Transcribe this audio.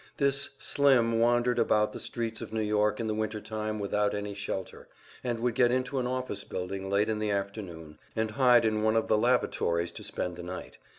This Slim wandered about the streets of New York in the winter time without any shelter, and would get into an office building late in the afternoon, and hide in one of the lavatories to spend the night.